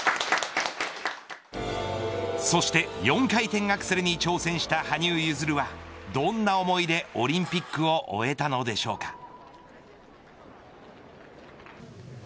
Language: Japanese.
そして４回転アクセルに挑戦した、羽生結弦はどんな思いでオリンピックを終えたのでしょうか。